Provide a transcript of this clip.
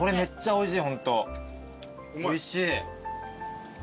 おいしい。